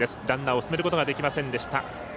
ランナーを進めることができませんでした。